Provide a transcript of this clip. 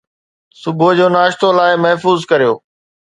صبح جو ناشتو لاء محفوظ ڪريو